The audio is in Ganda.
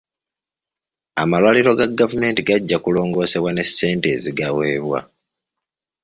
Amalwaliro ga gavumenti gajja kulongoosebwa ne ssente ezigaweebwa.